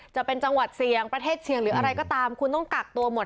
จะเป็นจังหวัดเสี่ยงประเทศเชียงหรืออะไรก็ตามคุณต้องกักตัวหมด